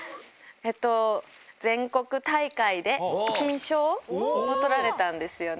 全国大会で金賞を取られたんですよね。